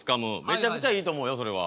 めちゃくちゃいいと思うよそれは。